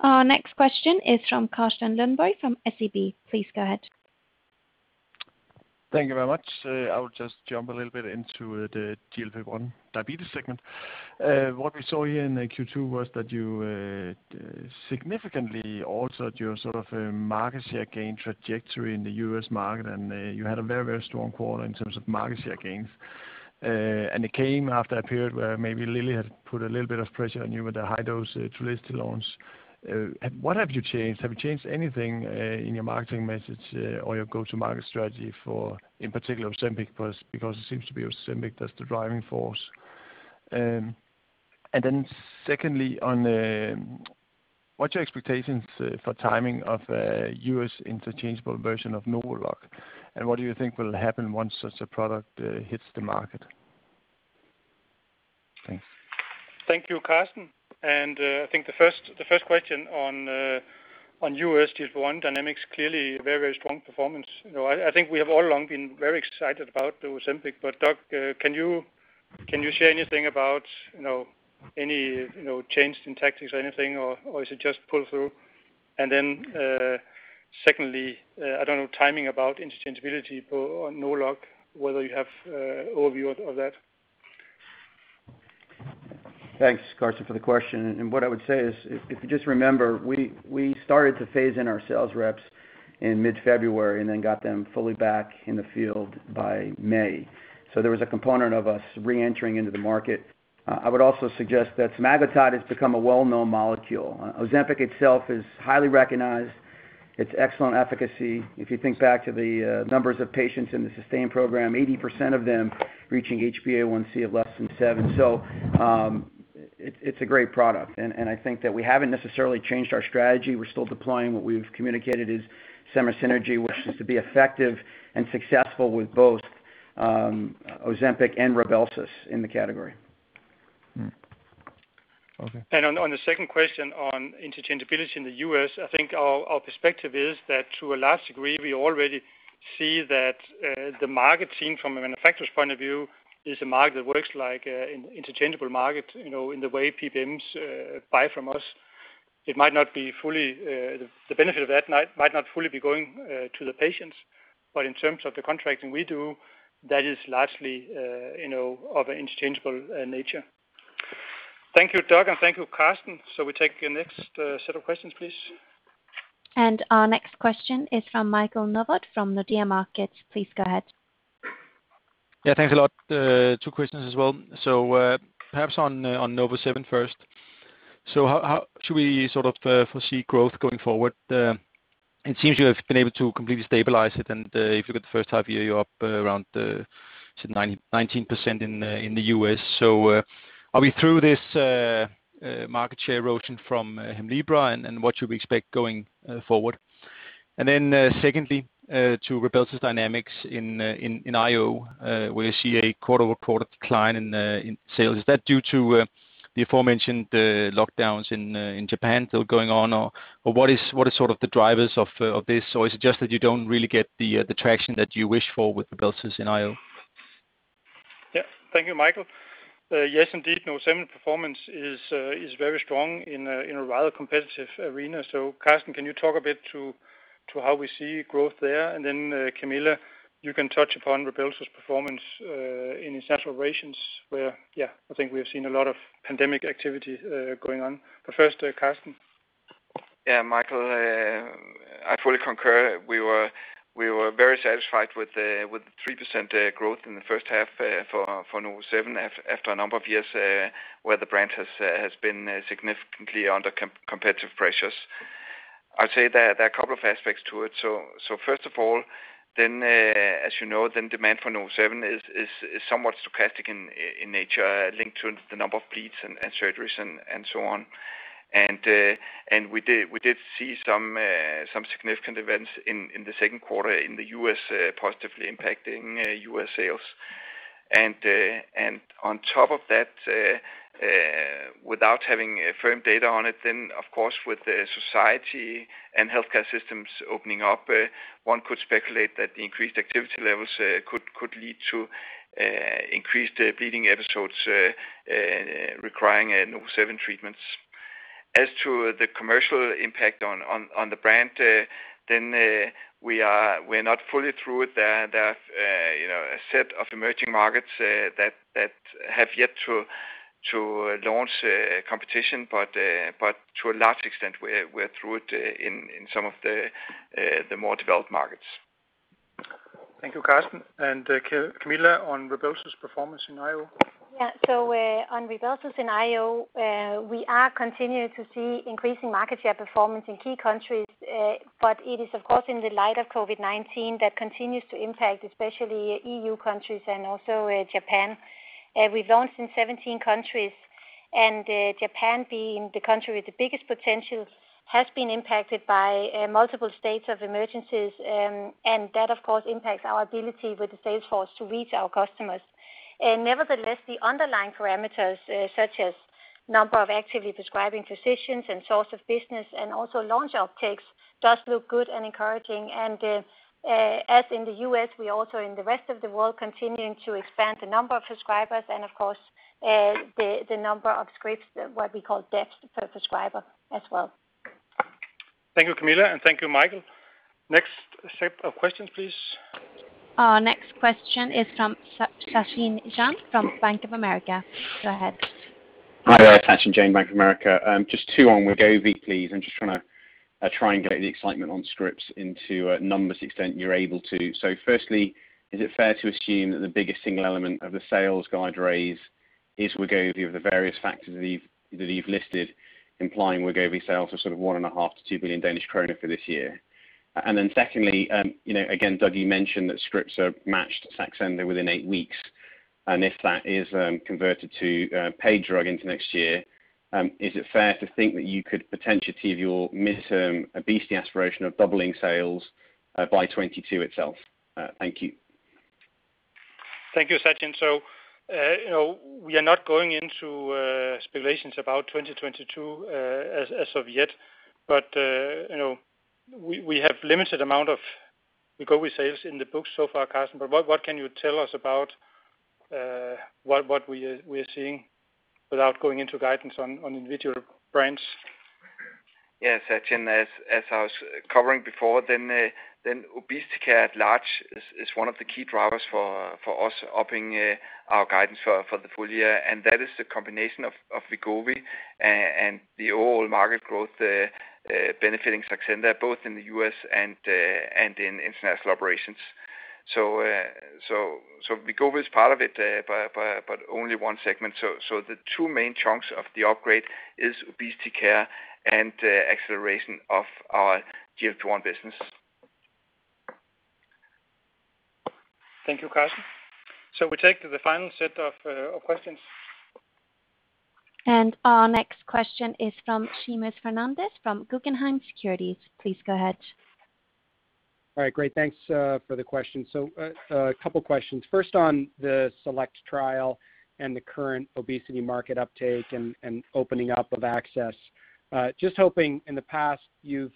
Our next question is from Carsten Lønborg from SEB. Please go ahead. Thank you very much. I will just jump a little bit into the GLP-1 diabetes segment. What we saw here in Q2 was that you significantly altered your sort of market share gain trajectory in the U.S. market, and you had a very, very strong quarter in terms of market share gains. It came after a period where maybe Lilly had put a little bit of pressure on you with the high-dose Trulicity launch. What have you changed? Have you changed anything in your marketing message or your go-to-market strategy for, in particular, Ozempic, because it seems to be Ozempic that's the driving force. Secondly, what's your expectations for timing of U.S. interchangeable version of NovoLog? What do you think will happen once such a product hits the market? Thanks. Thank you, Carsten. I think the first question on U.S. GLP-1 dynamics, clearly very, very strong performance. I think we have all along been very excited about the Ozempic, but Doug, can you share anything about any change in tactics or anything, or is it just pull through? Secondly, I don't know timing about interchangeability for NovoLog, whether you have overview of that. Thanks, Carsten, for the question. What I would say is if you just remember, we started to phase in our sales reps in mid-February and then got them fully back in the field by May. I would also suggest that semaglutide has become a well-known molecule. Ozempic itself is highly recognized. It's excellent efficacy. If you think back to the numbers of patients in the SUSTAIN program, 80% of them reaching HbA1c of less than 7%. It's a great product, and I think that we haven't necessarily changed our strategy. We're still deploying what we've communicated is sema synergy, which is to be effective and successful with both Ozempic and Rybelsus in the category. Okay. On the second question on interchangeability in the U.S., I think our perspective is that to a large degree, we already see that the market seen from a manufacturer's point of view is a market that works like interchangeable market, in the way PBMs buy from us. The benefit of that might not fully be going to the patients, but in terms of the contracting we do, that is largely of an interchangeable nature. Thank you, Doug, and thank you, Carsten. We take the next set of questions, please. Our next question is from Michael Novod from Nordea Markets. Please go ahead. Yeah, thanks a lot. Two questions as well. Perhaps on NovoSeven first. How should we foresee growth going forward? It seems you have been able to completely stabilize it, and if you look at the first half year, you're up around 19% in the U.S. Are we through this market share erosion from Hemlibra, and what should we expect going forward? Secondly, to Rybelsus dynamics in IO, where you see a quarter-over-quarter decline in sales. Is that due to the aforementioned lockdowns in Japan still going on or what is the drivers of this? Is it just that you don't really get the traction that you wish for with Rybelsus in IO? Yeah. Thank you, Michael. Yes, indeed, NovoSeven performance is very strong in a rather competitive arena. Karsten, can you talk a bit to how we see growth there? Then, Camilla, you can touch upon Rybelsus performance in established regions where, yeah, I think we have seen a lot of pandemic activity going on. First, Karsten. Michael, I fully concur. We were very satisfied with the 3% growth in the first half for NovoSeven after a number of years where the brand has been significantly under competitive pressures. I'd say there are a couple of aspects to it. First of all, as you know, demand for NovoSeven is somewhat stochastic in nature, linked to the number of bleeds and surgeries and so on. We did see some significant events in the second quarter in the U.S. positively impacting U.S. sales. On top of that, without having firm data on it, of course with the society and healthcare systems opening up, one could speculate that the increased activity levels could lead to increased bleeding episodes requiring NovoSeven treatments. As to the commercial impact on the brand, we're not fully through it. There are a set of emerging markets that have yet to launch competition, but to a large extent, we're through it in some of the more developed markets. Thank you, Karsten. Camilla, on Rybelsus performance in IO. Yeah. On Rybelsus in IO, we are continuing to see increasing market share performance in key countries. It is, of course, in the light of COVID-19 that continues to impact especially E.U. countries and also Japan. We've launched in 17 countries, and Japan being the country with the biggest potential, has been impacted by multiple states of emergencies. That, of course, impacts our ability with the sales force to reach our customers. Nevertheless, the underlying parameters, such as number of actively prescribing physicians and source of business and also launch uptakes, does look good and encouraging. As in the U.S., we also in the rest of the world continuing to expand the number of prescribers and of course, the number of scripts, what we call depth per prescriber as well. Thank you, Camilla, and thank you, Michael. Next set of questions, please. Our next question is from Sachin Jain from Bank of America. Go ahead. Hi there, Sachin Jain, Bank of America. Just two on Wegovy, please. I'm just trying to get the excitement on scripts into numbers extent you're able to. Firstly, is it fair to assume that the biggest single element of the sales guide raise is Wegovy of the various factors that you've listed implying Wegovy sales are sort of 1.5 billion-2 billion Danish kroner for this year? Secondly, again, Doug, you mentioned that scripts are matched Saxenda within eight weeks, and if that is converted to paid drug into next year, is it fair to think that you could potentially achieve your midterm obesity aspiration of doubling sales by 2022 itself? Thank you. Thank you, Sachin. We are not going into speculations about 2022 as of yet. We have limited amount of Wegovy sales in the books so far, Karsten. What can you tell us about what we are seeing without going into guidance on individual brands? Yes, as I was covering before then, obesity care at large is one of the key drivers for us upping our guidance for the full-year. That is the combination of Wegovy and the overall market growth, benefiting Saxenda both in the U.S. and in international operations. Wegovy is part of it but only one segment. The two main chunks of the upgrade is obesity care and acceleration of our GLP-1 business. Thank you, Karsten. We take the final set of questions. Our next question is from Seamus Fernandez, from Guggenheim Securities. Please go ahead. All right, great. Thanks for the question. A couple questions. First, on the SELECT trial and the current obesity market uptake and opening up of access. Just hoping in the past you've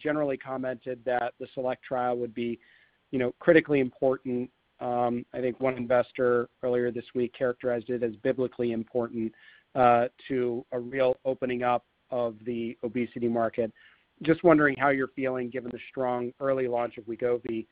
generally commented that the SELECT trial would be critically important. I think one investor earlier this week characterized it as biblically important to a real opening up of the obesity market. Just wondering how you're feeling, given the strong early launch of Wegovy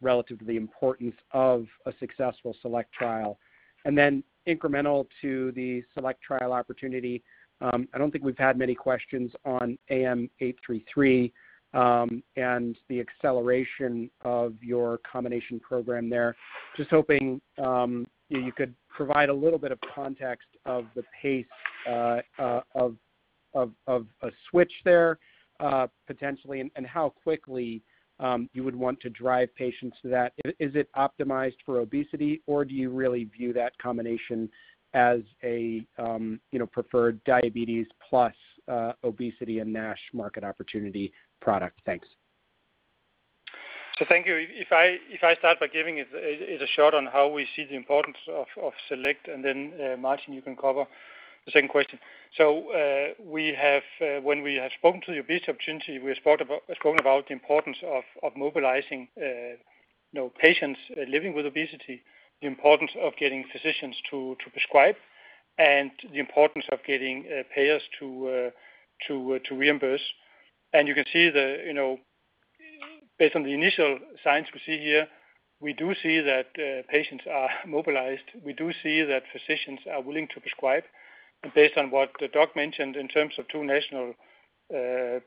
relative to the importance of a successful SELECT trial. Incremental to the SELECT trial opportunity, I don't think we've had many questions on AM833, and the acceleration of your combination program there. Just hoping you could provide a little bit of context of the pace of a switch there potentially, and how quickly you would want to drive patients to that. Is it optimized for obesity, or do you really view that combination as a preferred diabetes plus obesity and NASH market opportunity product? Thanks. Thank you. If I start by giving it a shot on how we see the importance of SELECT and then Martin, you can cover the second question. When we have spoken to the obesity opportunity, we have spoken about the importance of mobilizing patients living with obesity, the importance of getting physicians to prescribe, and the importance of getting payers to reimburse. You can see based on the initial signs we see here, we do see that patients are mobilized. We do see that physicians are willing to prescribe. Based on what Doug mentioned in terms of two national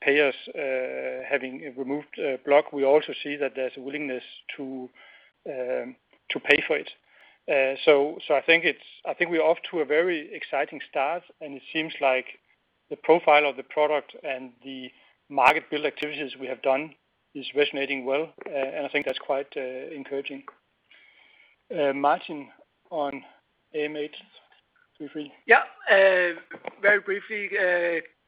payers having removed a block, we also see that there's a willingness to pay for it. I think we are off to a very exciting start, and it seems like the profile of the product and the market build activities we have done is resonating well. I think that's quite encouraging. Martin, on AM833. Yeah. Very briefly,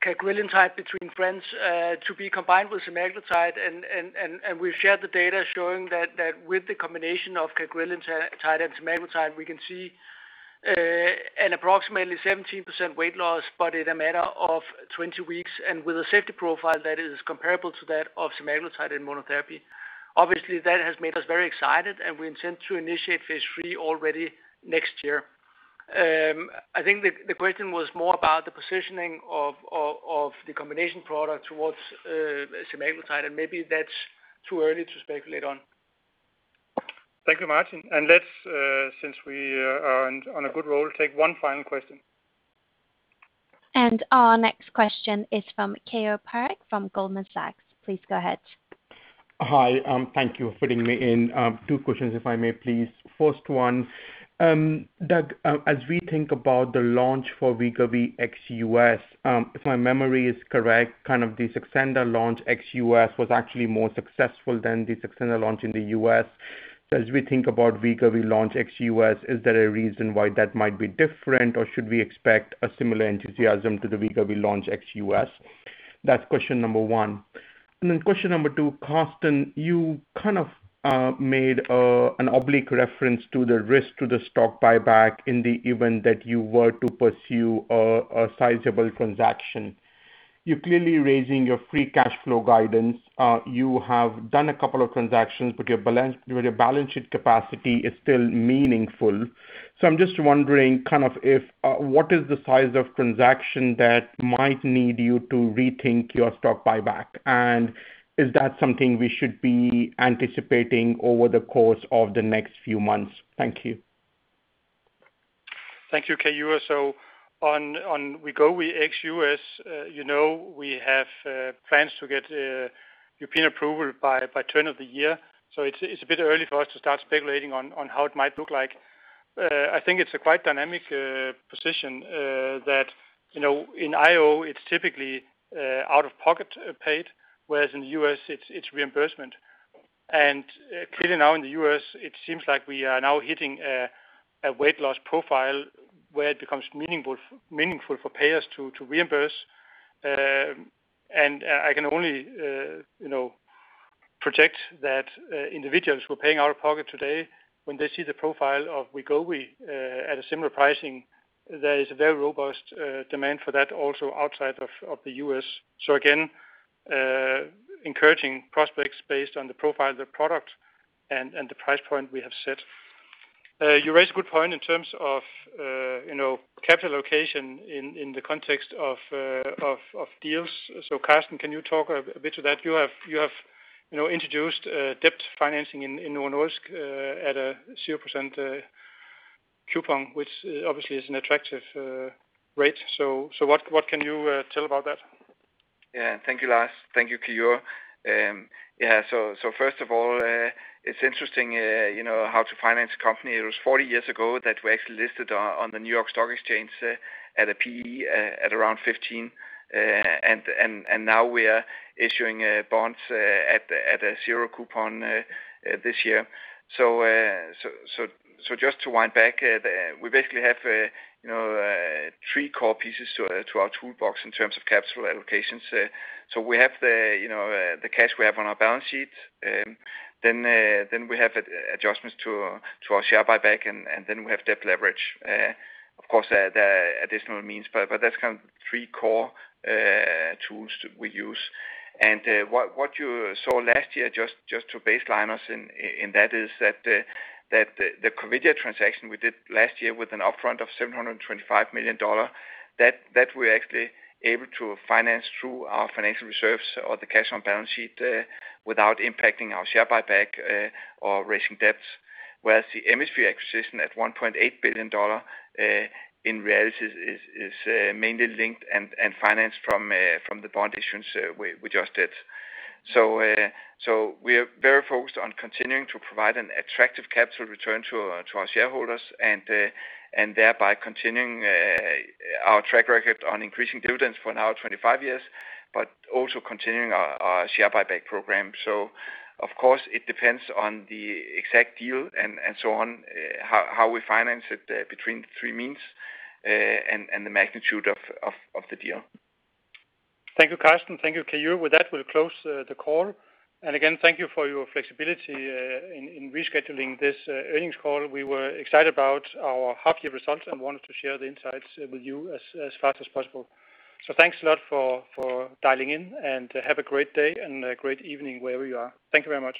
cagrilintide between friends to be combined with semaglutide and we've shared the data showing that with the combination of cagrilintide and semaglutide, we can see an approximately 17% weight loss, but in a matter of 20 weeks and with a safety profile that is comparable to that of semaglutide in monotherapy. Obviously, that has made us very excited, and we intend to initiate phase III already next year. I think the question was more about the positioning of the combination product towards semaglutide, and maybe that's too early to speculate on. Thank you, Martin. Let's, since we are on a good roll, take one final question. Our next question is from Keyur Parekh from Goldman Sachs. Please go ahead. Hi, thank you for fitting me in. Two questions, if I may please. First one, Doug, as we think about the launch for Wegovy ex-U.S., if my memory is correct, kind of the Saxenda launch ex-U.S. was actually more successful than the Saxenda launch in the U.S. As we think about Wegovy launch ex-U.S., is there a reason why that might be different, or should we expect a similar enthusiasm to the Wegovy launch ex-U.S.? That's question number one. Question number two, Karsten, you kind of made an oblique reference to the risk to the stock buyback in the event that you were to pursue a sizable transaction. You're clearly raising your free cash flow guidance. You have done a couple of transactions, your balance sheet capacity is still meaningful. I'm just wondering what is the size of transaction that might need you to rethink your stock buyback, and is that something we should be anticipating over the course of the next few months? Thank you. Thank you, Keyur. On Wegovy ex-U.S., we have plans to get European approval by turn of the year. It's a bit early for us to start speculating on how it might look like. I think it's a quite dynamic position that in IO it's typically out-of-pocket paid, whereas in the U.S. it's reimbursement. Clearly now in the U.S. it seems like we are now hitting a weight loss profile where it becomes meaningful for payers to reimburse. I can only predict that individuals who are paying out-of-pocket today, when they see the profile of Wegovy at a similar pricing, there is a very robust demand for that also outside of the U.S. Again, encouraging prospects based on the profile of the product and the price point we have set. You raise a good point in terms of capital allocation in the context of deals. Karsten, can you talk a bit to that? You have introduced debt financing in Novo Nordisk at a 0% coupon, which obviously is an attractive rate. What can you tell about that? Thank you, Lars. Thank you, Keyur. First of all, it's interesting how to finance a company. It was 40 years ago that we actually listed on the New York Stock Exchange at a PE at around 15, and now we are issuing bonds at a 0% coupon this year. Just to wind back, we basically have three core pieces to our toolbox in terms of capital allocations. We have the cash we have on our balance sheet, then we have adjustments to our share buyback, and then we have debt leverage. Of course, there are additional means, but that's kind of three core tools we use. What you saw last year, just to baseline us in that, is that the Corvidia transaction we did last year with an upfront of $725 million, that we're actually able to finance through our financial reserves or the cash on balance sheet without impacting our share buyback or raising debts, whereas the Emisphere acquisition at $1.8 billion, in reality is mainly linked and financed from the bond issuance we just did. We are very focused on continuing to provide an attractive capital return to our shareholders, and thereby continuing our track record on increasing dividends for now 25 years, but also continuing our share buyback program. Of course, it depends on the exact deal and so on, how we finance it between the three means, and the magnitude of the deal. Thank you, Karsten. Thank you, Keyur. With that, we'll close the call. Again, thank you for your flexibility in rescheduling this earnings call. We were excited about our half year results and wanted to share the insights with you as fast as possible. Thanks a lot for dialing in, and have a great day and a great evening wherever you are. Thank you very much.